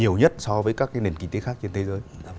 nhiều nhất so với các nền kinh tế khác trên thế giới